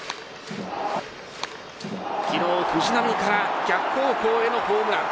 昨日、藤浪から逆方向へのホームラン。